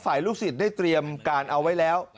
ลูกศิษย์ได้เตรียมการเอาไว้แล้ว